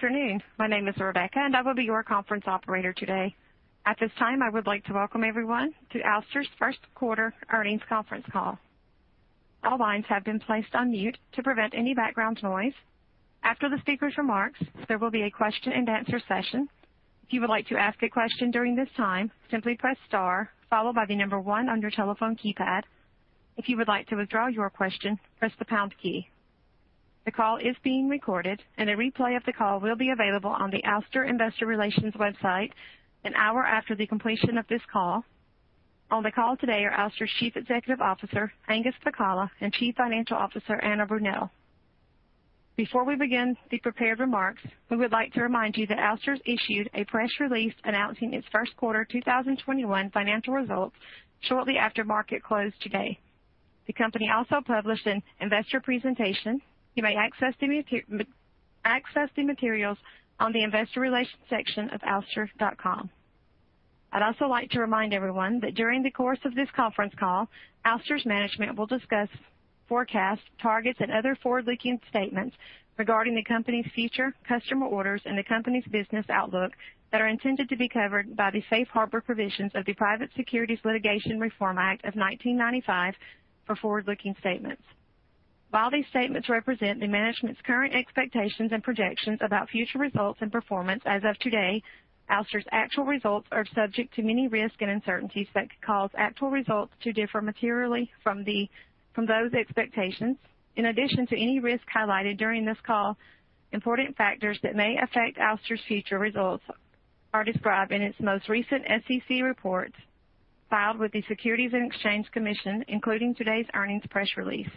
Good afternoon. My name is Rebecca, I will be your conference operator today. At this time, I would like to welcome everyone to Ouster's first quarter earnings conference call. All lines have been placed on mute to prevent any background noise. After the speaker's remarks, there will be a question-and-answer session. If you would like to ask a question during this time, simply press star followed by the number one on your telephone keypad. If you would like to withdraw your question, press the pound key. The call is being recorded. A replay of the call will be available on the Ouster Investor Relations website an hour after the completion of this call. On the call today are Ouster's Chief Executive Officer, Angus Pacala, and Chief Financial Officer, Anna Brunelle. Before we begin the prepared remarks, we would like to remind you that Ouster issued a press release announcing its first quarter 2021 financial results shortly after market close today. The company also published an investor presentation. You may access the materials on the Investor Relations section of ouster.com. I'd also like to remind everyone that during the course of this conference call, Ouster's management will discuss forecasts, targets, and other forward-looking statements regarding the company's future customer orders and the company's business outlook that are intended to be covered by the safe harbor provisions of the Private Securities Litigation Reform Act of 1995 for forward-looking statements. While these statements represent the management's current expectations and projections about future results and performance as of today, Ouster's actual results are subject to many risks and uncertainties that could cause actual results to differ materially from those expectations. In addition to any risk highlighted during this call, important factors that may affect Ouster's future results are described in its most recent SEC reports filed with the Securities and Exchange Commission, including today's earnings press release.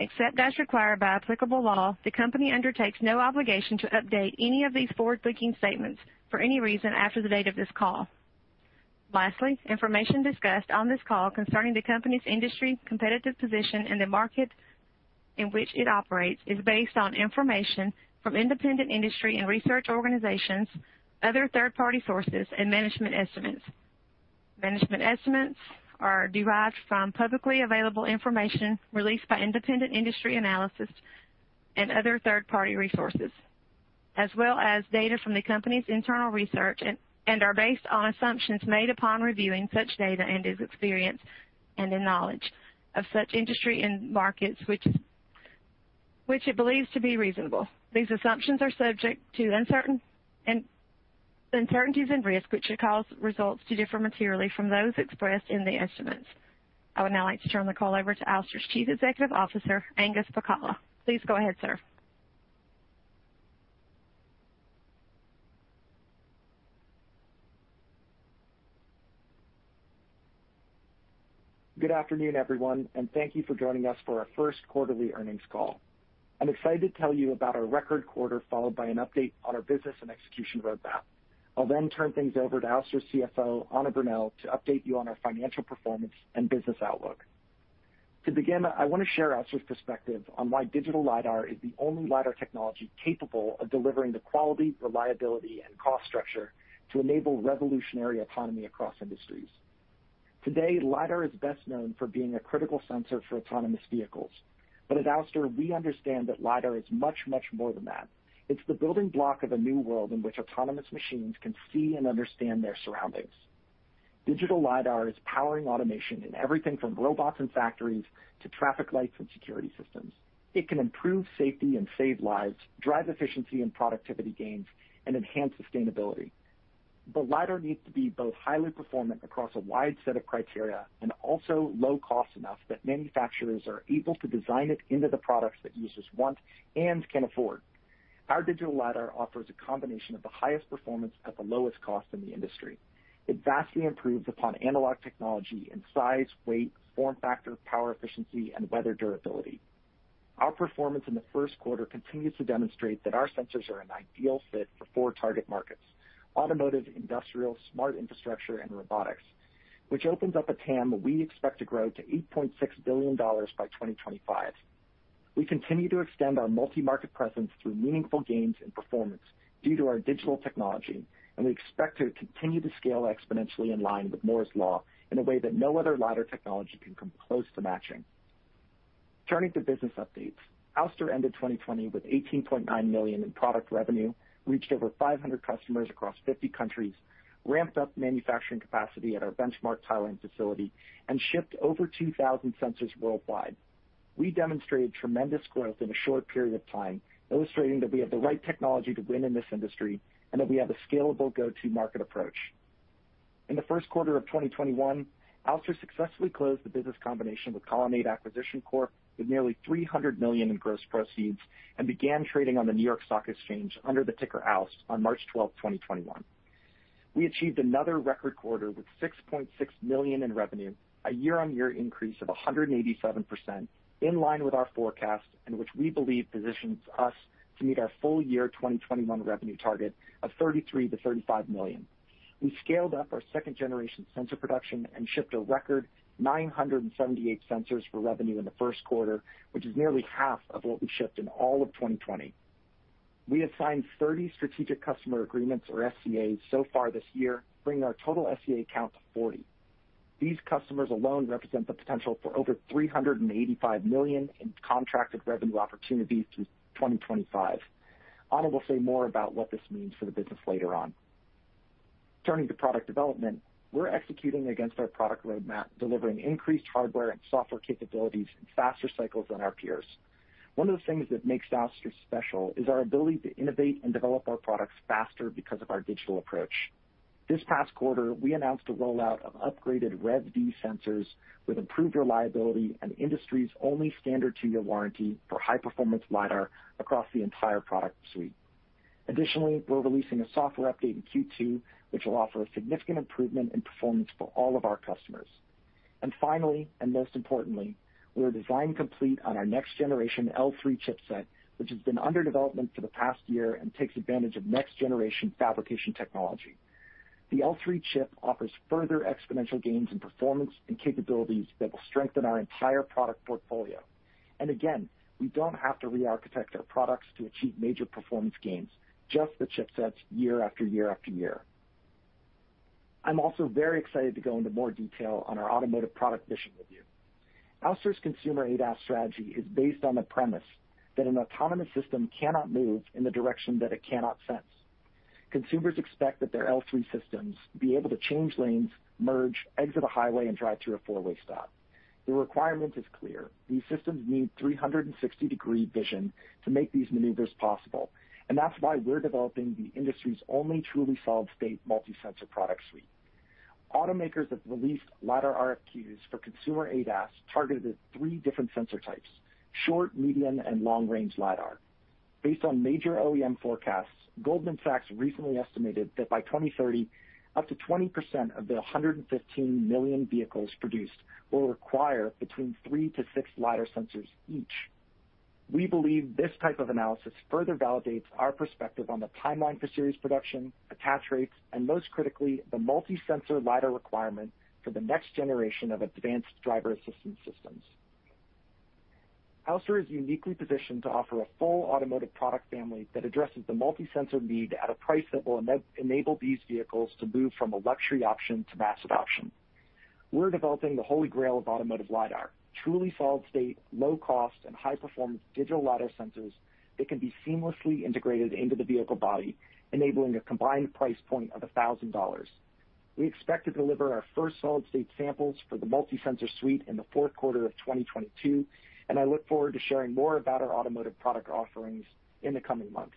Except as required by applicable law, the company undertakes no obligation to update any of these forward-looking statements for any reason after the date of this call. Lastly, information discussed on this call concerning the company's industry, competitive position in the market in which it operates is based on information from independent industry and research organizations, other third-party sources, and management estimates. Management estimates are derived from publicly available information released by independent industry analysis and other third-party resources, as well as data from the company's internal research, and are based on assumptions made upon reviewing such data and his experience and the knowledge of such industry and markets which it believes to be reasonable. These assumptions are subject to uncertainties and risks, which could cause results to differ materially from those expressed in the estimates. I would now like to turn the call over to Ouster's Chief Executive Officer, Angus Pacala. Please go ahead, sir. Good afternoon, everyone, and thank you for joining us for our first quarterly earnings call. I'm excited to tell you about our record quarter, followed by an update on our business and execution roadmap. I'll then turn things over to Ouster's CFO, Anna Brunelle, to update you on our financial performance and business outlook. To begin, I want to share Ouster's perspective on why digital LiDAR is the only LiDAR technology capable of delivering the quality, reliability, and cost structure to enable revolutionary autonomy across industries. Today, LiDAR is best known for being a critical sensor for autonomous vehicles. At Ouster, we understand that LiDAR is much, much more than that. It's the building block of a new world in which autonomous machines can see and understand their surroundings. Digital LiDAR is powering automation in everything from robots in factories to traffic lights and security systems. It can improve safety and save lives, drive efficiency and productivity gains, and enhance sustainability. LiDAR needs to be both highly performant across a wide set of criteria and also low cost enough that manufacturers are able to design it into the products that users want and can afford. Our digital LiDAR offers a combination of the highest performance at the lowest cost in the industry. It vastly improves upon analog technology in size, weight, form factor, power efficiency, and weather durability. Our performance in the first quarter continues to demonstrate that our sensors are an ideal fit for four target markets, automotive, industrial, smart infrastructure, and robotics, which opens up a TAM that we expect to grow to $8.6 billion by 2025. We continue to extend our multi-market presence through meaningful gains in performance due to our digital technology, and we expect to continue to scale exponentially in line with Moore's Law in a way that no other LiDAR technology can come close to matching. Turning to business updates. Ouster ended 2020 with $18.9 million in product revenue, reached over 500 customers across 50 countries, ramped up manufacturing capacity at our Benchmark Thailand facility, and shipped over 2,000 sensors worldwide. We demonstrated tremendous growth in a short period of time, illustrating that we have the right technology to win in this industry and that we have a scalable go-to market approach. In the first quarter of 2021, Ouster successfully closed the business combination with Colonnade Acquisition Corp. with nearly $300 million in gross proceeds and began trading on the New York Stock Exchange under the ticker OUST on March 12th, 2021. We achieved another record quarter with $6.6 million in revenue, a year-over-year increase of 187%, in line with our forecast and which we believe positions us to meet our full year 2021 revenue target of $33 million-$35 million. We scaled up our second-generation sensor production and shipped a record 978 sensors for revenue in the first quarter, which is nearly half of what we shipped in all of 2020. We have signed 30 strategic customer agreements or SCAs so far this year, bringing our total SCA count to 40. These customers alone represent the potential for over $385 million in contracted revenue opportunities through 2025. Anna will say more about what this means for the business later on. Turning to product development, we're executing against our product roadmap, delivering increased hardware and software capabilities in faster cycles than our peers. One of the things that makes Ouster special is our ability to innovate and develop our products faster because of our digital approach. This past quarter, we announced a rollout of upgraded Rev D sensors with improved reliability and the industry's only standard two-year warranty for high-performance LiDAR across the entire product suite. Additionally, we're releasing a software update in Q2, which will offer a significant improvement in performance for all of our customers. Finally, and most importantly, we are design complete on our next generation L3 chipset, which has been under development for the past year and takes advantage of next-generation fabrication technology. The L3 chip offers further exponential gains in performance and capabilities that will strengthen our entire product portfolio. Again, we don't have to re-architect our products to achieve major performance gains, just the chipsets year after year after year. I'm also very excited to go into more detail on our automotive product mission with you. Ouster's consumer ADAS strategy is based on the premise that an autonomous system cannot move in the direction that it cannot sense. Consumers expect that their L3 systems be able to change lanes, merge, exit a highway, and drive through a four-way stop. The requirement is clear. These systems need 360-degree vision to make these maneuvers possible, and that's why we're developing the industry's only truly solid-state multi-sensor product suite. Automakers have released LiDAR RFQs for consumer ADAS targeted at 3 different sensor types, short, medium, and long-range LiDAR. Based on major OEM forecasts, Goldman Sachs recently estimated that by 2030, up to 20% of the 115 million vehicles produced will require between three to six LiDAR sensors each. We believe this type of analysis further validates our perspective on the timeline for series production, attach rates, and most critically, the multi-sensor LiDAR requirement for the next generation of advanced driver assistance systems. Ouster is uniquely positioned to offer a full automotive product family that addresses the multi-sensor need at a price that will enable these vehicles to move from a luxury option to mass adoption. We're developing the holy grail of automotive LiDAR, truly solid-state, low-cost, and high-performance digital LiDAR sensors that can be seamlessly integrated into the vehicle body, enabling a combined price point of $1,000. We expect to deliver our first solid-state samples for the multi sensor suite in the fourth quarter of 2022, and I look forward to sharing more about our automotive product offerings in the coming months.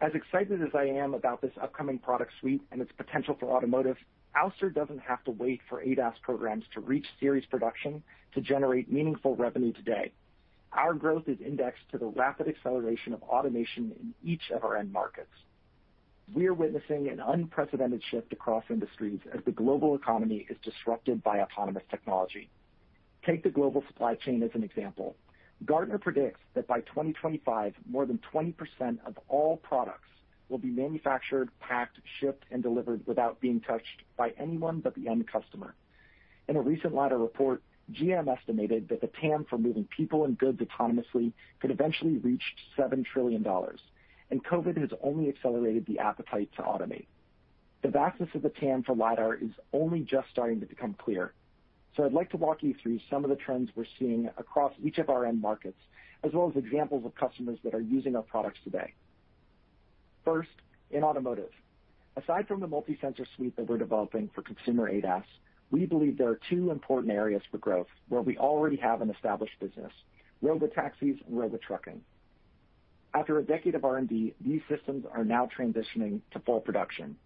As excited as I am about this upcoming product suite and its potential for automotive, Ouster doesn't have to wait for ADAS programs to reach series production to generate meaningful revenue today. Our growth is indexed to the rapid acceleration of automation in each of our end markets. We are witnessing an unprecedented shift across industries as the global economy is disrupted by autonomous technology. Take the global supply chain as an example. Gartner predicts that by 2025, more than 20% of all products will be manufactured, packed, shipped, and delivered without being touched by anyone but the end customer. In a recent LiDAR report, GM estimated that the TAM for moving people and goods autonomously could eventually reach $7 trillion. COVID has only accelerated the appetite to automate. The vastness of the TAM for LiDAR is only just starting to become clear. I'd like to walk you through some of the trends we're seeing across each of our end markets, as well as examples of customers that are using our products today. First, in automotive. Aside from the multi-sensor suite that we're developing for consumer ADAS, we believe there are two important areas for growth where we already have an established business, robotaxis and robotrucking. After a decade of R&D, these systems are now transitioning to full production.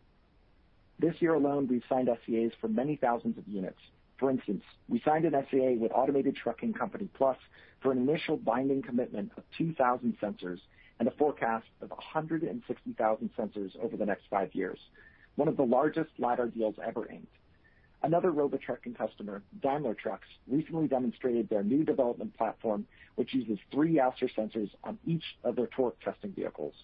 This year alone, we've signed SCAs for many thousands of units. For instance, we signed an SCA with automated trucking company Plus for an initial binding commitment of 2,000 sensors and a forecast of 160,000 sensors over the next five years, one of the largest LiDAR deals ever inked. Another robotrucking customer, Daimler Truck, recently demonstrated their new development platform, which uses three Ouster sensors on each of their torque testing vehicles.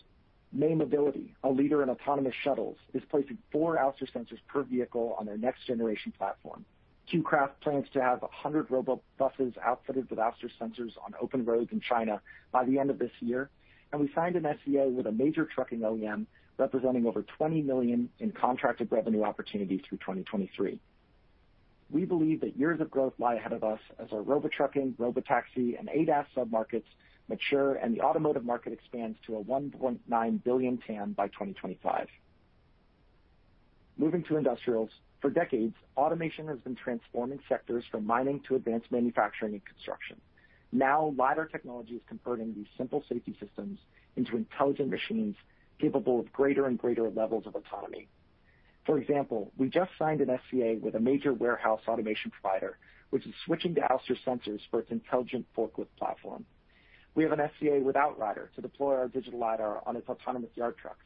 May Mobility, a leader in autonomous shuttles, is placing four Ouster sensors per vehicle on their next-generation platform. QCraft plans to have 100 robobuses outfitted with Ouster sensors on open roads in China by the end of this year. We signed an SCA with a major trucking OEM, representing over $20 million in contracted revenue opportunities through 2023. We believe that years of growth lie ahead of us as our robotrucking, robotaxi, and ADAS submarkets mature and the automotive market expands to a $1.9 billion TAM by 2025. Moving to industrials. For decades, automation has been transforming sectors from mining to advanced manufacturing and construction. Now, LiDAR technology is converting these simple safety systems into intelligent machines capable of greater and greater levels of autonomy. For example, we just signed an SCA with a major warehouse automation provider, which is switching to Ouster sensors for its intelligent forklift platform. We have an SCA with Outrider to deploy our digital LiDAR on its autonomous yard trucks.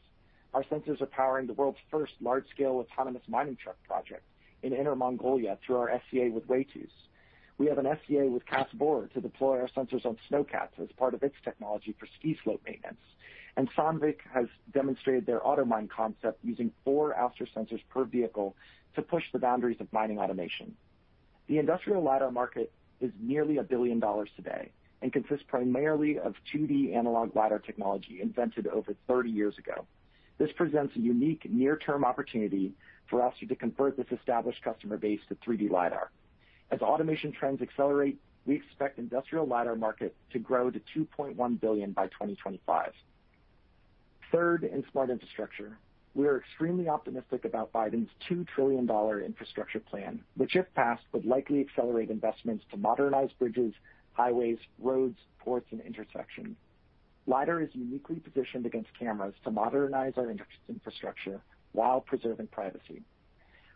Our sensors are powering the world's first large-scale autonomous mining truck project in Inner Mongolia through our SCA with Waytous. We have an SCA with Kässbohrer to deploy our sensors on snowcats as part of its technology for ski slope maintenance. Sandvik has demonstrated their AutoMine concept using four Ouster sensors per vehicle to push the boundaries of mining automation. The industrial LiDAR market is nearly $1 billion today and consists primarily of 2D analog LiDAR technology invented over 30 years ago. This presents a unique near-term opportunity for Ouster to convert this established customer base to 3D LiDAR. As automation trends accelerate, we expect industrial LiDAR market to grow to $2.1 billion by 2025. Third, in smart infrastructure, we are extremely optimistic about Biden's $2 trillion infrastructure plan, which if passed, would likely accelerate investments to modernize bridges, highways, roads, ports, and intersections. LiDAR is uniquely positioned against cameras to modernize our infrastructure while preserving privacy.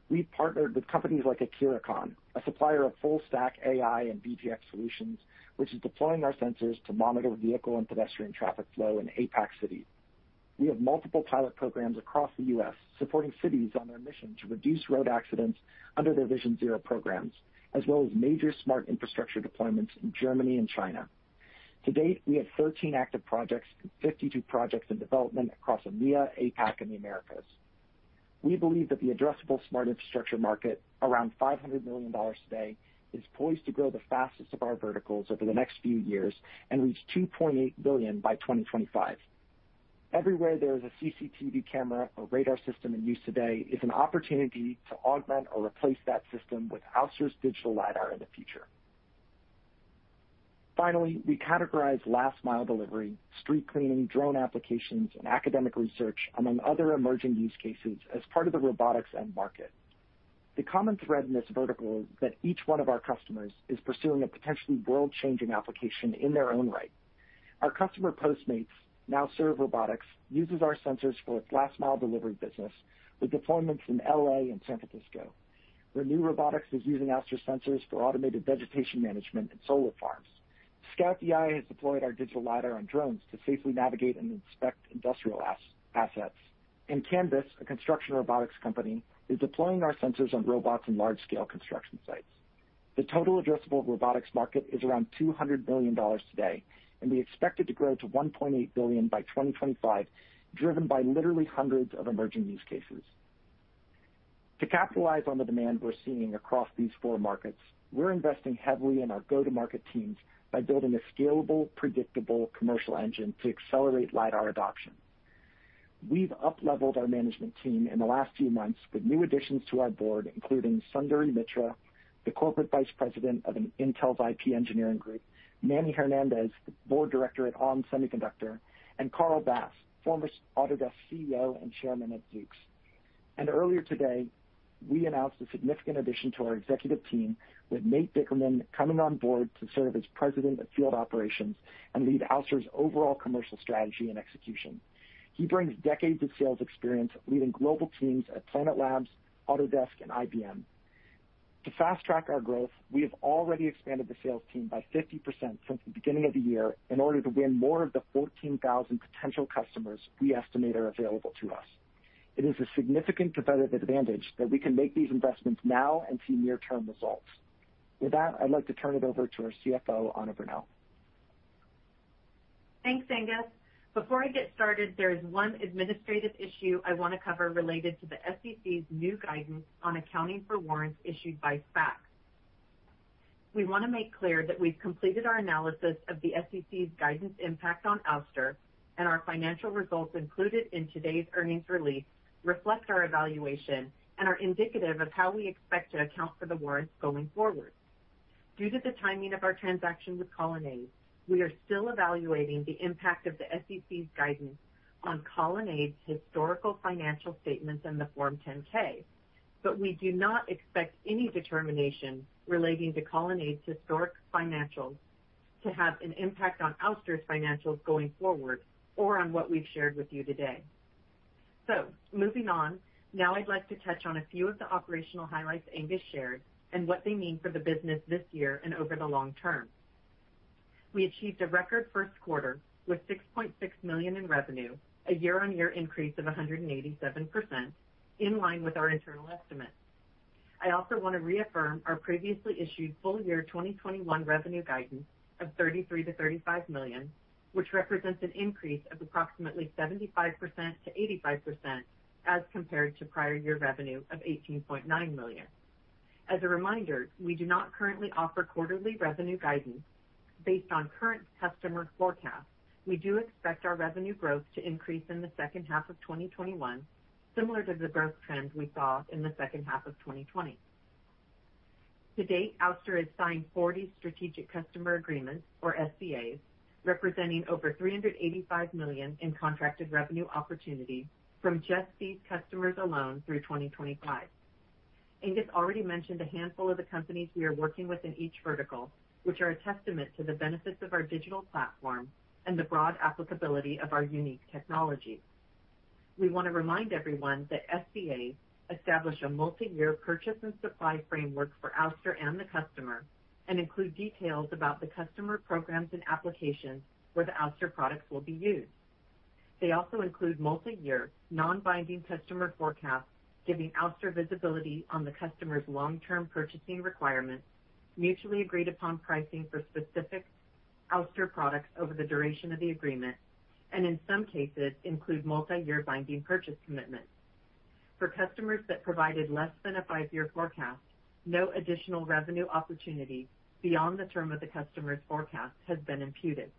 We've partnered with companies like AkiraKan, a supplier of full stack AI and V2X solutions, which is deploying our sensors to monitor vehicle and pedestrian traffic flow in APAC cities. We have multiple pilot programs across the U.S. supporting cities on their mission to reduce road accidents under their Vision Zero programs, as well as major smart infrastructure deployments in Germany and China. To date, we have 13 active projects and 52 projects in development across EMEA, APAC, and the Americas. We believe that the addressable smart infrastructure market, around $500 million today, is poised to grow the fastest of our verticals over the next few years and reach $2.8 billion by 2025. Everywhere there is a CCTV camera or radar system in use today is an opportunity to augment or replace that system with Ouster's digital LiDAR in the future. We categorize last mile delivery, street cleaning, drone applications, and academic research, among other emerging use cases as part of the robotics end market. The common thread in this vertical is that each one of our customers is pursuing a potentially world-changing application in their own right. Our customer, Postmates, now Serve Robotics, uses our sensors for its last mile delivery business with deployments in L.A. and San Francisco, where Renu Robotics is using Ouster sensors for automated vegetation management in solar farms. ScoutDI has deployed our digital LiDAR on drones to safely navigate and inspect industrial assets. Canvas, a construction robotics company, is deploying our sensors on robots in large-scale construction sites. The total addressable robotics market is around $200 billion today. We expect it to grow to $1.8 billion by 2025, driven by literally hundreds of emerging use cases. To capitalize on the demand we're seeing across these four markets, we're investing heavily in our go-to-market teams by building a scalable, predictable commercial engine to accelerate LiDAR adoption. We've upleveled our management team in the last few months with new additions to our board, including Sundari Mitra, the Corporate Vice President of Intel's IP Engineering Group, Manny Hernandez, the Board Director at ON Semiconductor, and Carl Bass, former Autodesk CEO and Chairman at Zoox. Earlier today, we announced a significant addition to our executive team with Nate Dickerman coming on board to serve as President of Field Operations and lead Ouster's overall commercial strategy and execution. He brings decades of sales experience leading global teams at Planet Labs, Autodesk, and IBM. To fast track our growth, we have already expanded the sales team by 50% since the beginning of the year in order to win more of the 14,000 potential customers we estimate are available to us. It is a significant competitive advantage that we can make these investments now and see near-term results. With that, I'd like to turn it over to our CFO, Anna Brunelle. Thanks, Angus. Before I get started, there is one administrative issue I want to cover related to the SEC's new guidance on accounting for warrants issued by SPACs. We want to make clear that we've completed our analysis of the SEC's guidance impact on Ouster, and our financial results included in today's earnings release reflect our evaluation and are indicative of how we expect to account for the warrants going forward. Due to the timing of our transaction with Colonnade, we are still evaluating the impact of the SEC's guidance on Colonnade's historical financial statements in the Form 10-K, but we do not expect any determination relating to Colonnade's historic financials to have an impact on Ouster's financials going forward or on what we've shared with you today. Moving on, I'd like to touch on a few of the operational highlights Angus shared and what they mean for the business this year and over the long term. We achieved a record first quarter with $6.6 million in revenue, a year-on-year increase of 187%, in line with our internal estimates. I also want to reaffirm our previously issued full year 2021 revenue guidance of $33 million-$35 million, which represents an increase of approximately 75%-85% as compared to prior year revenue of $18.9 million. As a reminder, we do not currently offer quarterly revenue guidance. Based on current customer forecasts, we do expect our revenue growth to increase in the second half of 2021, similar to the growth trend we saw in the second half of 2020. To date, Ouster has signed 40 strategic customer agreements, or SCAs, representing over $385 million in contracted revenue opportunity from just these customers alone through 2025. Angus already mentioned a handful of the companies we are working with in each vertical, which are a testament to the benefits of our digital platform and the broad applicability of our unique technology. We want to remind everyone that SCAs establish a multi-year purchase and supply framework for Ouster and the customer and include details about the customer programs and applications where the Ouster products will be used. They also include multi-year non-binding customer forecasts giving Ouster visibility on the customer's long-term purchasing requirements, mutually agreed upon pricing for specific Ouster products over the duration of the agreement, and in some cases include multi-year binding purchase commitments. For customers that provided less than a five-year forecast, no additional revenue opportunity beyond the term of the customer's forecast has been imputed.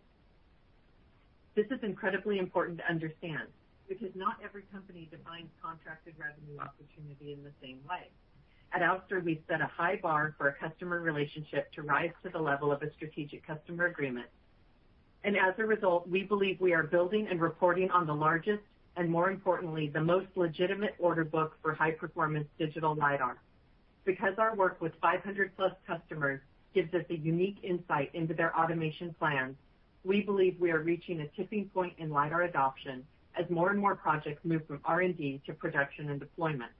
This is incredibly important to understand, because not every company defines contracted revenue opportunity in the same way. At Ouster, we set a high bar for a customer relationship to rise to the level of a strategic customer agreement. As a result, we believe we are building and reporting on the largest, and more importantly, the most legitimate order book for high-performance digital LiDAR. Our work with 500+ customers gives us a unique insight into their automation plans, we believe we are reaching a tipping point in LiDAR adoption as more and more projects move from R&D to production and deployment.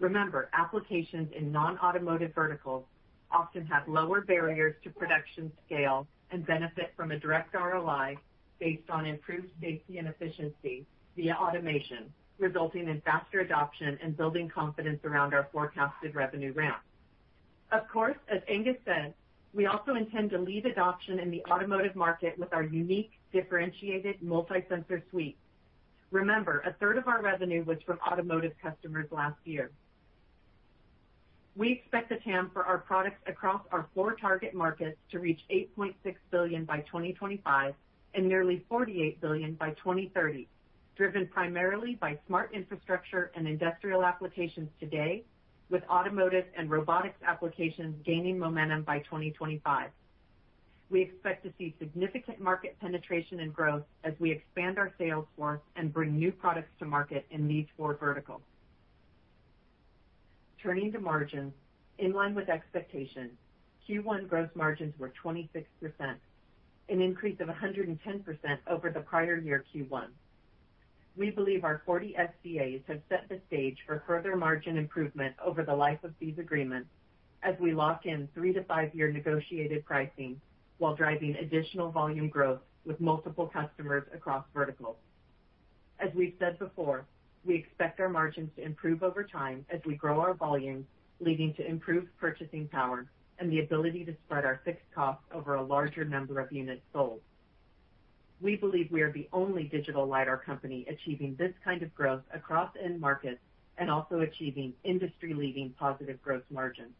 Remember, applications in non-automotive verticals often have lower barriers to production scale and benefit from a direct ROI based on improved safety and efficiency via automation, resulting in faster adoption and building confidence around our forecasted revenue ramp. As Angus said, we also intend to lead adoption in the automotive market with our unique, differentiated multi-sensor suite. Remember, a third of our revenue was from automotive customers last year. We expect the TAM for our products across our four target markets to reach $8.6 billion by 2025 and nearly $48 billion by 2030, driven primarily by smart infrastructure and industrial applications today, with automotive and robotics applications gaining momentum by 2025. We expect to see significant market penetration and growth as we expand our sales force and bring new products to market in these four verticals. Turning to margins. In line with expectations, Q1 gross margins were 26%, an increase of 110% over the prior year Q1. We believe our 40 SCAs have set the stage for further margin improvement over the life of these agreements as we lock in three- to five-year negotiated pricing while driving additional volume growth with multiple customers across verticals. As we've said before, we expect our margins to improve over time as we grow our volume, leading to improved purchasing power and the ability to spread our fixed costs over a larger number of units sold. We believe we are the only digital LiDAR company achieving this kind of growth across end markets and also achieving industry-leading positive growth margins.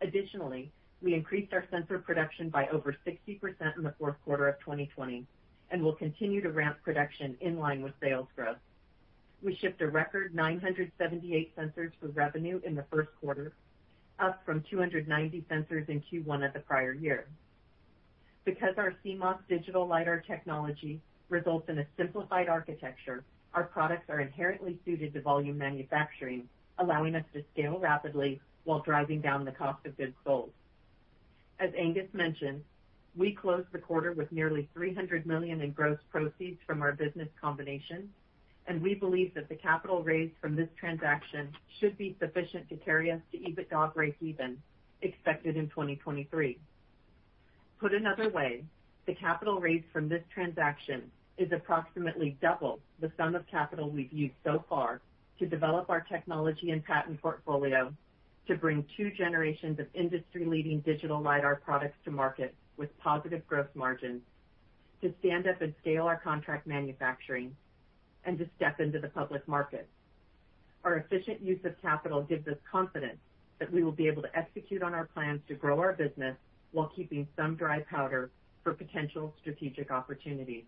Additionally, we increased our sensor production by over 60% in the fourth quarter of 2020, and will continue to ramp production in line with sales growth. We shipped a record 978 sensors for revenue in the first quarter, up from 290 sensors in Q1 of the prior year. Because our CMOS digital LiDAR technology results in a simplified architecture, our products are inherently suited to volume manufacturing, allowing us to scale rapidly while driving down the cost of goods sold. As Angus mentioned, we closed the quarter with nearly $300 million in gross proceeds from our business combination, and we believe that the capital raised from this transaction should be sufficient to carry us to EBITDA break-even, expected in 2023. Put another way, the capital raised from this transaction is approximately double the sum of capital we've used so far to develop our technology and patent portfolio to bring 2 generations of industry-leading digital LiDAR products to market with positive growth margins, to stand up and scale our contract manufacturing, and to step into the public market. Our efficient use of capital gives us confidence that we will be able to execute on our plans to grow our business while keeping some dry powder for potential strategic opportunities.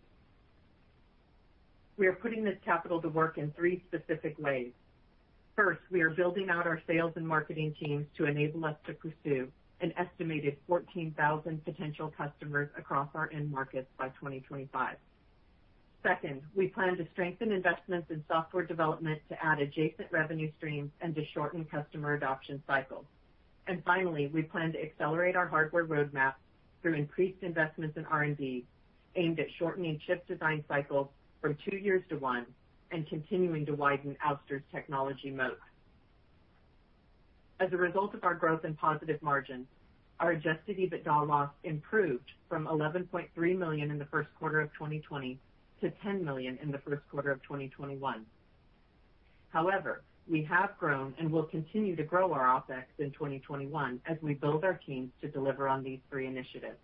We are putting this capital to work in three specific ways. First, we are building out our sales and marketing teams to enable us to pursue an estimated 14,000 potential customers across our end markets by 2025. Second, we plan to strengthen investments in software development to add adjacent revenue streams and to shorten customer adoption cycles. Finally, we plan to accelerate our hardware roadmap through increased investments in R&D aimed at shortening chip design cycles from two years to one, and continuing to widen Ouster's technology moat. As a result of our growth in positive margins, our adjusted EBITDA loss improved from $11.3 million in the first quarter of 2020 to $10 million in the first quarter of 2021. However, we have grown and will continue to grow our OpEx in 2021 as we build our teams to deliver on these three initiatives.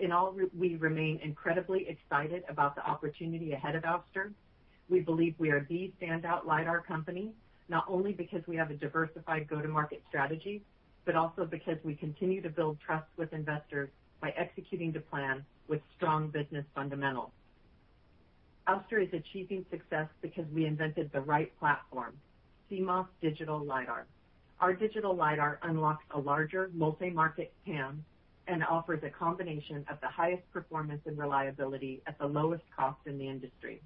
In all, we remain incredibly excited about the opportunity ahead of Ouster. We believe we are the standout LiDAR company, not only because we have a diversified go-to-market strategy, but also because we continue to build trust with investors by executing the plan with strong business fundamentals. Ouster is achieving success because we invented the right platform, CMOS digital LiDAR. Our digital LiDAR unlocks a larger multi-market TAM and offers a combination of the highest performance and reliability at the lowest cost in the industry.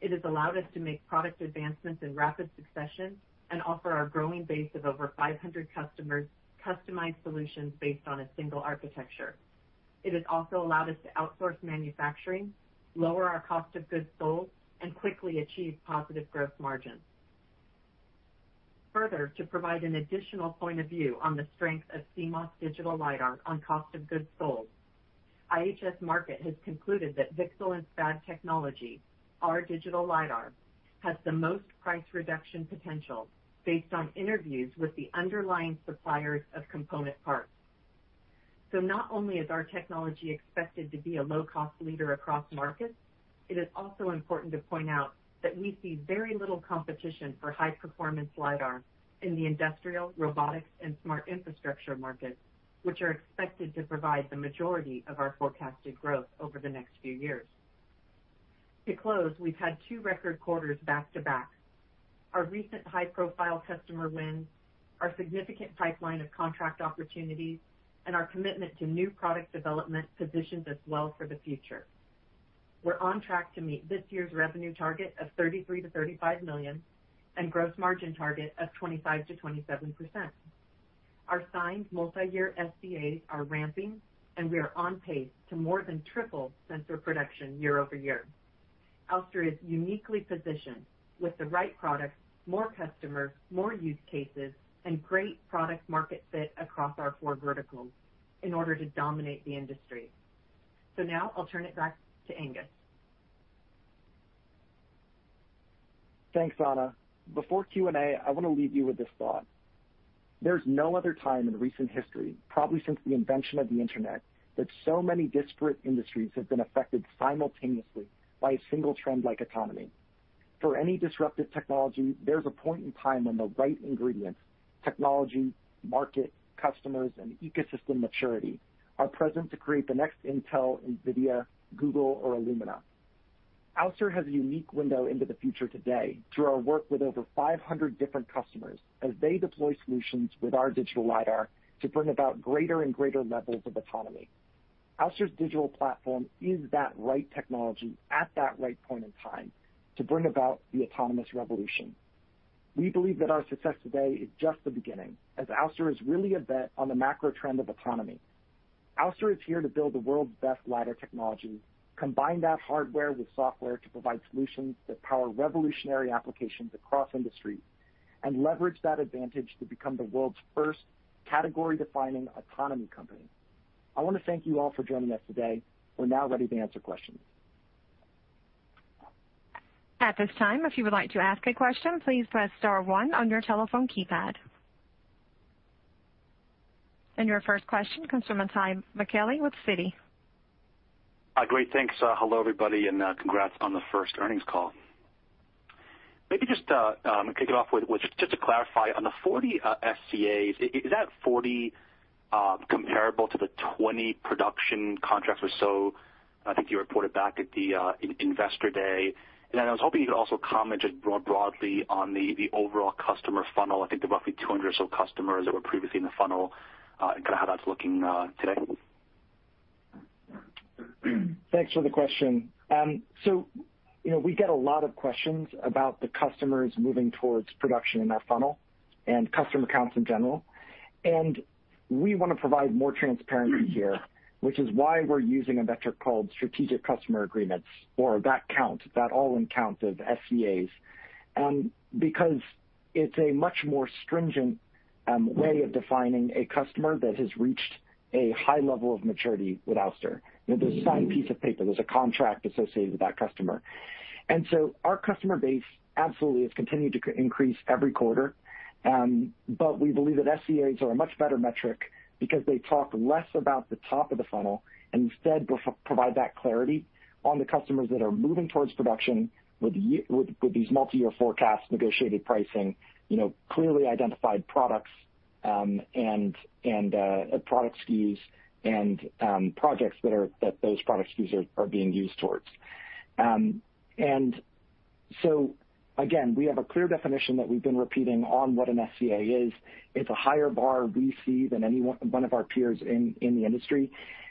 It has allowed us to make product advancements in rapid succession and offer our growing base of over 500 customers customized solutions based on a single architecture. It has also allowed us to outsource manufacturing, lower our cost of goods sold, and quickly achieve positive growth margins. Further, to provide an additional point of view on the strength of CMOS digital LiDAR on cost of goods sold, IHS Markit has concluded that VCSEL and SPAD technology, our digital LiDAR, has the most price reduction potential based on interviews with the underlying suppliers of component parts. Not only is our technology expected to be a low-cost leader across markets, it is also important to point out that we see very little competition for high-performance LiDAR in the industrial, robotics, and smart infrastructure markets, which are expected to provide the majority of our forecasted growth over the next few years. To close, we've had two record quarters back-to-back. Our recent high-profile customer wins, our significant pipeline of contract opportunities, and our commitment to new product development positions us well for the future. We're on track to meet this year's revenue target of $33 million-$35 million and gross margin target of 25%-27%. Our signed multi-year SCAs are ramping, and we are on pace to more than triple sensor production year-over-year. Ouster is uniquely positioned with the right products, more customers, more use cases, and great product-market fit across our four verticals in order to dominate the industry. Now I'll turn it back to Angus. Thanks, Anna. Before Q&A, I want to leave you with this thought. There's no other time in recent history, probably since the invention of the internet, that so many disparate industries have been affected simultaneously by a single trend like autonomy. For any disruptive technology, there's a point in time when the right ingredients, technology, market, customers, and ecosystem maturity are present to create the next Intel, NVIDIA, Google, or Luminar. Ouster has a unique window into the future today through our work with over 500 different customers as they deploy solutions with our digital LiDAR to bring about greater and greater levels of autonomy. Ouster's digital platform is that right technology at that right point in time to bring about the autonomous revolution. We believe that our success today is just the beginning as Ouster is really a bet on the macro trend of autonomy. Ouster is here to build the world's best LiDAR technology, combine that hardware with software to provide solutions that power revolutionary applications across industries, and leverage that advantage to become the world's first category-defining autonomy company. I want to thank you all for joining us today. We are now ready to answer questions. At this time, if you would like to ask a question, please press star one on your telephone keypad. Your first question comes from Itay Michaeli with Citi. Great, thanks. Hello, everybody. Congrats on the first earnings call. Maybe just to kick it off with, just to clarify on the 40 SCAs, is that 40 comparable to the 20 production contracts or so I think you reported back at the Investor Day? I was hoping you could also comment just more broadly on the overall customer funnel. I think there are roughly 200 or so customers that were previously in the funnel, kind of how that's looking today? Thanks for the question. We get a lot of questions about the customers moving towards production in that funnel and customer counts in general. We want to provide more transparency here, which is why we're using a metric called strategic customer agreements or that count, that all-in count of SCAs. It's a much more stringent way of defining a customer that has reached a high level of maturity with Ouster. There's a signed piece of paper. There's a contract associated with that customer. Our customer base absolutely has continued to increase every quarter. We believe that SCAs are a much better metric because they talk less about the top of the funnel and instead provide that clarity on the customers that are moving towards production with these multi-year forecasts, negotiated pricing, clearly identified products and product SKUs and projects that those product SKUs are being used towards. Again, we have a clear definition that we've been repeating on what an SCA is. It's a higher bar we see than any one of our peers in the industry.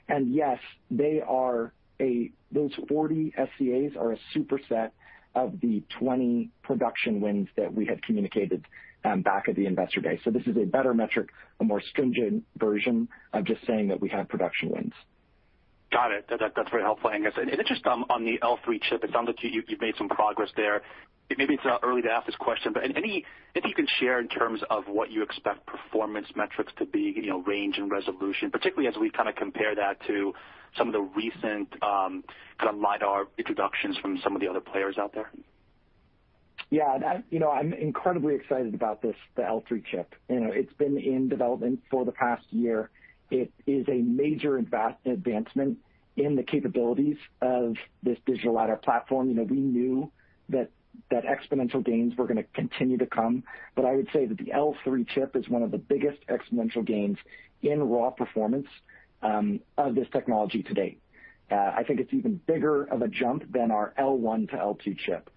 Yes, those 40 SCAs are a superset of the 20 production wins that we had communicated back at the Investor Day. This is a better metric, a more stringent version of just saying that we have production wins. Got it. That's very helpful, Angus. Just on the L3 chip, it sounds like you've made some progress there. Maybe it's early to ask this question, but if you can share in terms of what you expect performance metrics to be, range and resolution, particularly as we kind of compare that to some of the recent kind of LiDAR introductions from some of the other players out there? Yeah. I'm incredibly excited about this, the L3 chip. It's been in development for the past year. It is a major advancement in the capabilities of this digital LiDAR platform. We knew that exponential gains were going to continue to come. I would say that the L3 chip is one of the biggest exponential gains in raw performance of this technology to date. I think it's even bigger of a jump than our L1 to L2 chip.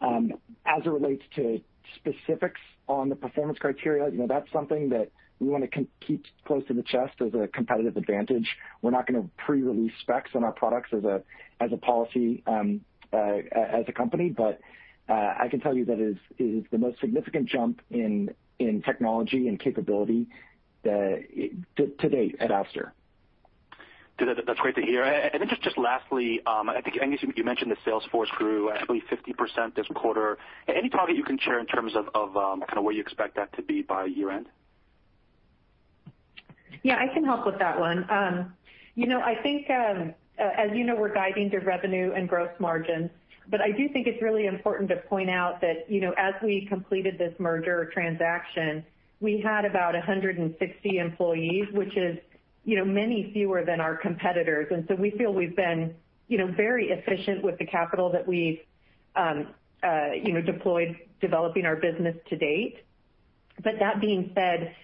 As it relates to specifics on the performance criteria, that's something that we want to keep close to the chest as a competitive advantage. We're not going to pre-release specs on our products as a policy, as a company. I can tell you that it is the most significant jump in technology and capability to date at Ouster. That's great to hear. Just lastly, I think, Angus, you mentioned the sales force grew I believe 50% this quarter. Any target you can share in terms of kind of where you expect that to be by year-end? Yeah, I can help with that one. I think, as you know, we're guiding to revenue and gross margin. I do think it's really important to point out that as we completed this merger transaction, we had about 160 employees, which is many fewer than our competitors. We feel we've been very efficient with the capital that we've deployed developing our business to date. That being said,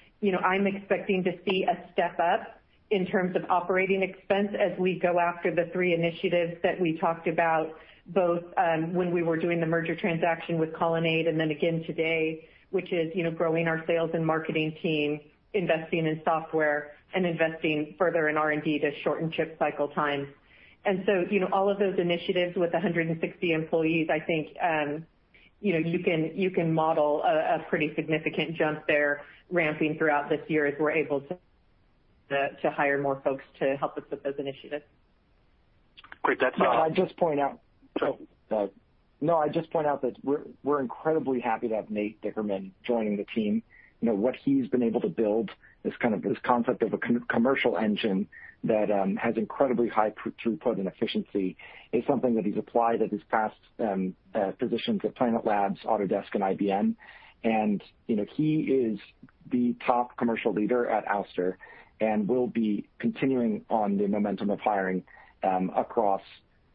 I'm expecting to see a step up in terms of operating expense as we go after the three initiatives that we talked about, both when we were doing the merger transaction with Colonnade and then again today, which is growing our sales and marketing team, investing in software, and investing further in R&D to shorten chip cycle time. All of those initiatives with 160 employees, I think you can model a pretty significant jump there ramping throughout this year as we're able to hire more folks to help us with those initiatives. Great. I'd just point out that we're incredibly happy to have Nate Dickerman joining the team. What he's been able to build, this concept of a commercial engine that has incredibly high throughput and efficiency is something that he's applied at his past positions at Planet Labs, Autodesk, and IBM. He is the top commercial leader at Ouster and will be continuing on the momentum of hiring across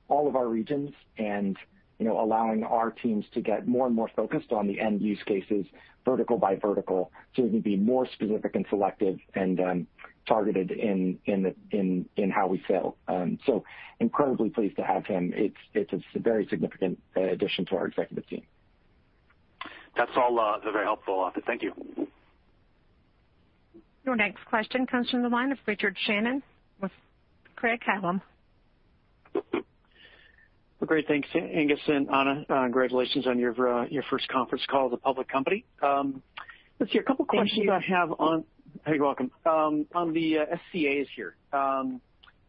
all of our regions and allowing our teams to get more and more focused on the end-use cases, vertical by vertical, so we can be more specific and selective and targeted in how we sell. Incredibly pleased to have him. It's a very significant addition to our executive team. That's all very helpful. Thank you. Your next question comes from the line of Richard Shannon with Craig-Hallum. Great. Thanks, Angus and Anna, and congratulations on your first conference call as a public company. Let's see. A couple questions I have- Thank you. You're welcome. On the SCAs here.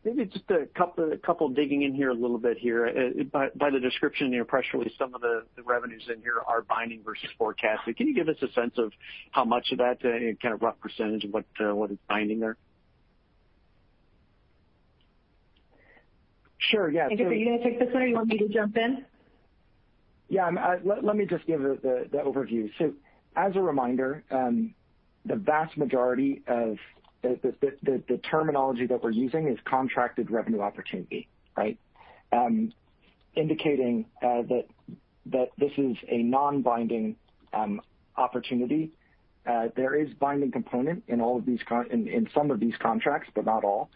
Maybe just a couple digging in here a little bit here. By the description in your press release, some of the revenues in here are binding versus forecast. Can you give us a sense of how much of that, kind of rough percentage of what is binding there? Sure. Yeah. Angus, are you going to take this one, or you want me to jump in? Yeah, let me just give the overview. As a reminder, the vast majority of the terminology that we're using is contracted revenue opportunity, right? Indicating that this is a non-binding opportunity. There is binding component in some of these contracts, but not all.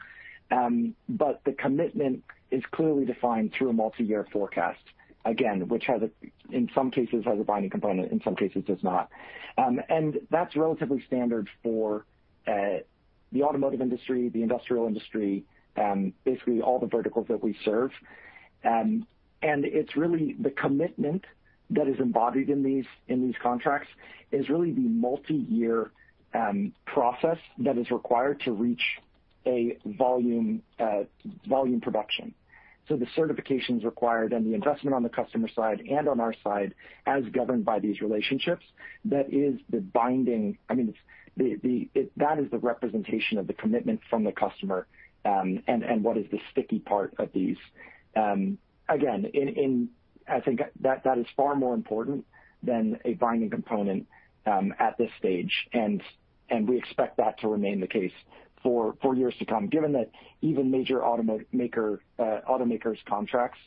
The commitment is clearly defined through a multi-year forecast, again, which in some cases has a binding component, in some cases does not. That's relatively standard for the automotive industry, the industrial industry, basically all the verticals that we serve. It's really the commitment that is embodied in these contracts is really the multi-year process that is required to reach a volume production. The certifications required and the investment on the customer side and on our side as governed by these relationships, that is the binding, that is the representation of the commitment from the customer, and what is the sticky part of these. Again, I think that is far more important than a binding component at this stage, and we expect that to remain the case for years to come, given that even major automakers' contracts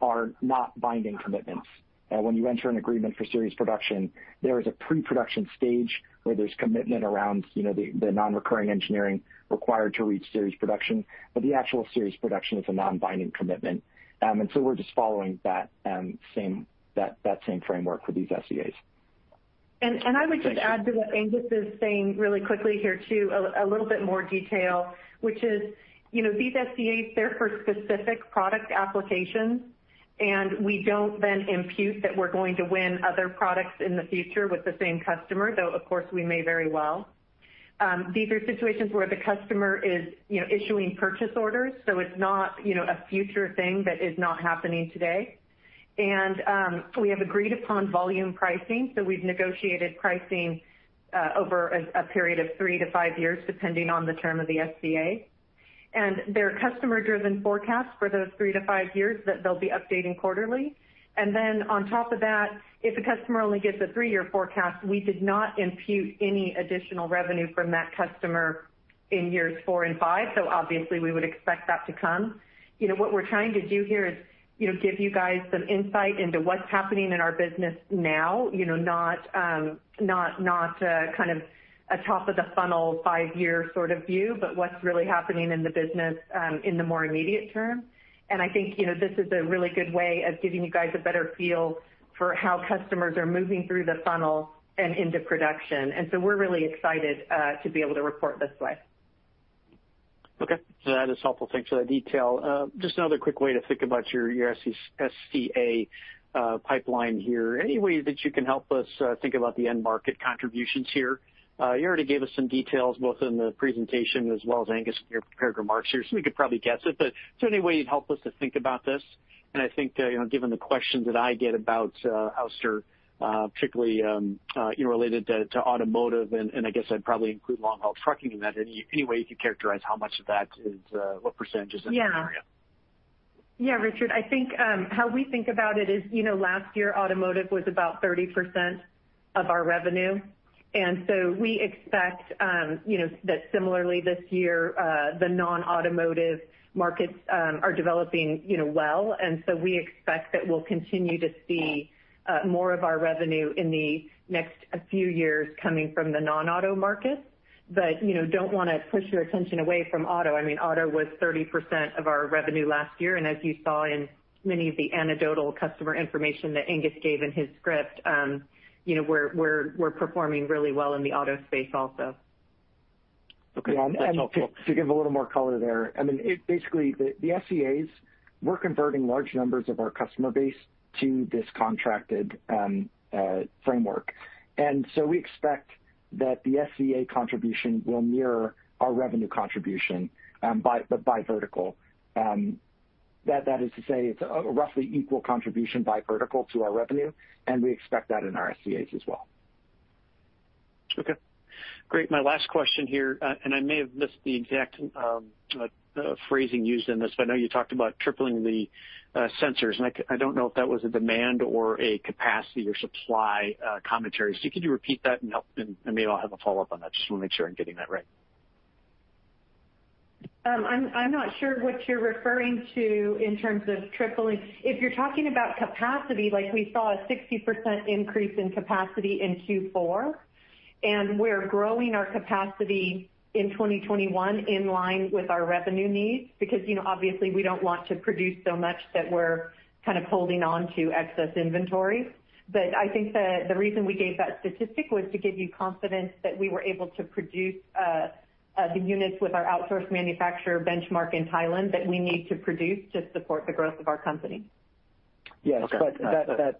are not binding commitments. When you enter an agreement for series production, there is a pre-production stage where there's commitment around the non-recurring engineering required to reach series production, but the actual series production is a non-binding commitment. We're just following that same framework for these SCAs. I would just add to what Angus is saying really quickly here, too, a little bit more detail, which is, these SCAs, they're for specific product applications, and we don't then impute that we're going to win other products in the future with the same customer, though, of course, we may very well. These are situations where the customer is issuing purchase orders, so it's not a future thing that is not happening today. We have agreed-upon volume pricing, so we've negotiated pricing over a period of three to five years, depending on the term of the SCA. They're customer-driven forecasts for those three to five years that they'll be updating quarterly. On top of that, if a customer only gives a three-year forecast, we did not impute any additional revenue from that customer in years four and five, obviously we would expect that to come. What we're trying to do here is give you guys some insight into what's happening in our business now, not a top of the funnel, five-year sort of view, but what's really happening in the business in the more immediate term. I think this is a really good way of giving you guys a better feel for how customers are moving through the funnel and into production. We're really excited to be able to report this way. Okay. That is helpful, thanks for that detail. Just another quick way to think about your SCA pipeline here. Any way that you can help us think about the end market contributions here? You already gave us some details, both in the presentation as well as, Angus, in your prepared remarks here, so we could probably guess it, but is there any way you'd help us to think about this? I think, given the questions that I get about Ouster, particularly related to automotive, and I guess I'd probably include long-haul trucking in that. Anyway, if you characterize how much of that is, what percentage is in that area? Richard, I think how we think about it is, last year automotive was about 30% of our revenue. We expect that similarly this year, the non-automotive markets are developing well, and so we expect that we'll continue to see more of our revenue in the next few years coming from the non auto-markets. Don't want to push your attention away from auto. Auto was 30% of our revenue last year, and as you saw in many of the anecdotal customer information that Angus gave in his script, we're performing really well in the auto space also. Okay. That's helpful. To give a little more color there. Basically, the SCAs, we're converting large numbers of our customer base to this contracted framework. We expect that the SCA contribution will mirror our revenue contribution by vertical. That is to say, it's a roughly equal contribution by vertical to our revenue, and we expect that in our SCAs as well. Okay, great. My last question here, and I may have missed the exact phrasing used in this, but I know you talked about tripling the sensors, and I don't know if that was a demand or a capacity or supply commentary. Could you repeat that and help, and I may now have a follow-up on that. Just want to make sure I'm getting that right. I'm not sure what you're referring to in terms of tripling. If you're talking about capacity, like we saw a 60% increase in capacity in Q4. We're growing our capacity in 2021 in line with our revenue needs, because obviously we don't want to produce so much that we're kind of holding on to excess inventory. I think that the reason we gave that statistic was to give you confidence that we were able to produce the units with our outsourced manufacturer Benchmark in Thailand that we need to produce to support the growth of our company. Yes. Okay.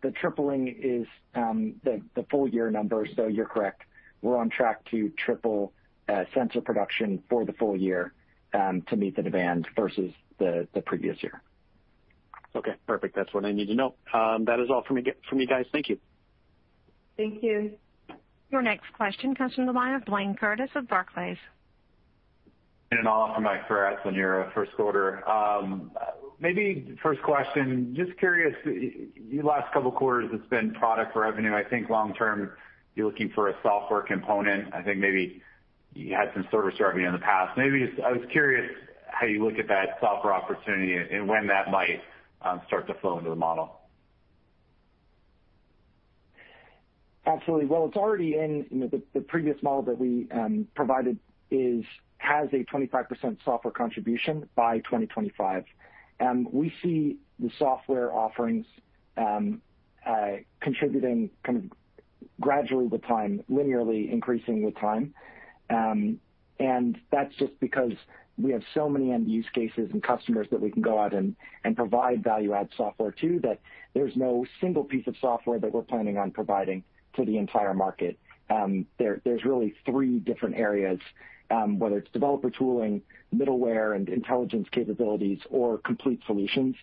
The tripling is the full year number. You're correct. We're on track to triple sensor production for the full year, to meet the demand versus the previous year. Okay, perfect. That's what I need to know. That is all from me, guys. Thank you. Thank you. Your next question comes from the line of Blayne Curtis with Barclays. An offer, my congrats on your first quarter. Maybe first question, just curious, the last couple of quarters it's been product revenue. I think long term, you're looking for a software component. I think maybe you had some service revenue in the past. Maybe just, I was curious how you look at that software opportunity and when that might start to flow into the model. Absolutely. Well, it's already in the previous model that we provided has a 25% software contribution by 2025. We see the software offerings contributing kind of gradually with time, linearly increasing with time. That's just because we have so many end use cases and customers that we can go out and provide value add software to that there's no single piece of software that we're planning on providing to the entire market. There's really three different areas, whether it's developer tooling, middleware and intelligence capabilities, or complete solutions.